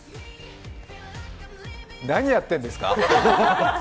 何やってんですか？